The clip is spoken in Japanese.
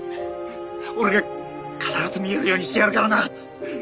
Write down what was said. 俺が必ず見えるようにしてやるからな。